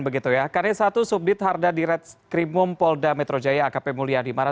karena satu subdit harda di red scream room polda metro jaya akp mulya dimara